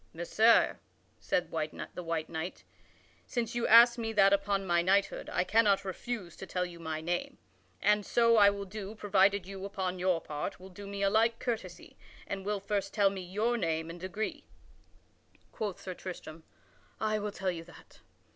"Messire," said the white knight, "since you ask me that upon my knighthood, I cannot refuse to tell you my name. And so I will do, provided you, upon your part, will do me a like courtesy and will first tell me your name and degree." Quoth Sir Tristram: "I will tell you that.